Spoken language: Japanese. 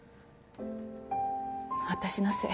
私のせい。